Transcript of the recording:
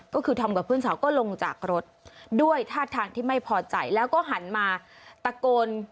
ก็คือทำกับเพื่อนสาวก็ลงจากรถด้วยท่าทางที่ไม่พอใจแล้วก็หันมาตะโกน